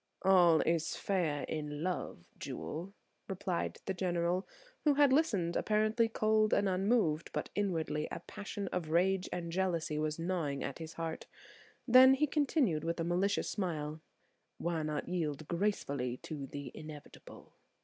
"All is fair in love, Jewel," replied the General, who had listened apparently cold and unmoved, but inwardly a passion of rage and jealousy was gnawing at his heart. Then he continued with a malicious smile, "Why not yield gracefully to the inevitable?"